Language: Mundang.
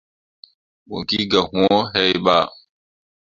Mo gi gah wuu hai bah.